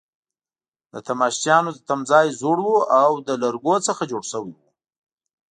د تماشچیانو تمځای زوړ وو او له لرګو څخه جوړ شوی وو.